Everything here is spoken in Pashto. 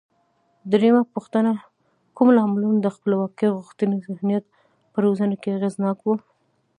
درېمه پوښتنه: کوم لاملونه د خپلواکۍ غوښتنې ذهنیت په روزنه کې اغېزناک و؟